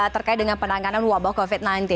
terkait dengan penanganan wabah covid sembilan belas